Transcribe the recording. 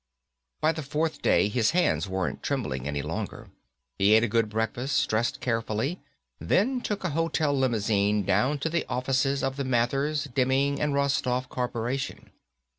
By the fourth day, his hands weren't trembling any longer. He ate a good breakfast, dressed carefully, then took a hotel limousine down to the offices of the Mathers, Demming and Rostoff Corporation.